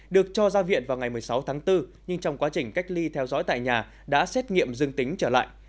được cho ra viện vào ngày một mươi sáu tháng bốn nhưng trong quá trình cách ly theo dõi tại nhà đã xét nghiệm dương tính trở lại